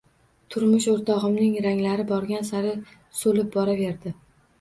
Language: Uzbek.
Turmush oʻrtogʻimning ranglari borgan sari soʻlib boraverdi.